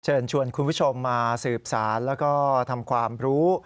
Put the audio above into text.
เชิญชวนคุณผู้ชมมาสืบสารแล้วก็ทำความรู้